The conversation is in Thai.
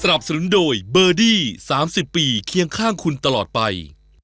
สนับสนุนโดยเบอร์ดี้สามสิบปีเคียงข้างคุณตลอดไป